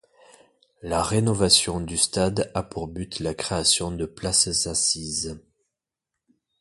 La rénovation du stade a pour but la création de places assises.